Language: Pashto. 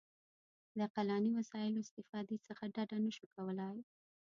د عقلاني وسایلو استفادې څخه ډډه نه شو کولای.